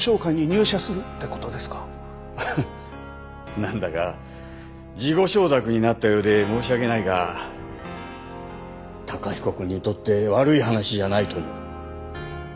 なんだか事後承諾になったようで申し訳ないが崇彦くんにとって悪い話じゃないと思う。